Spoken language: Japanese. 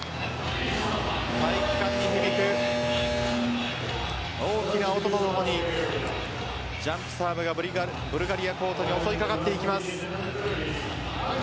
体育館に響く大きな音とともにジャンプサーブがブルガリアコートに襲いかかってきます。